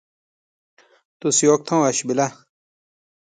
تُو لائی نے ہاس۔